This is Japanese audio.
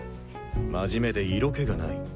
真面目で色気がない。